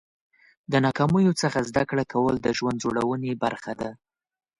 د ناکامیو څخه زده کړه کول د ژوند جوړونې برخه ده.